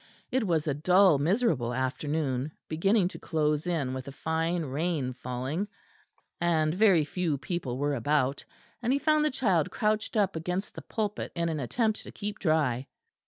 It was a dull miserable afternoon, beginning to close in with a fine rain falling, and very few people were about; and he found the child crouched up against the pulpit in an attempt to keep dry.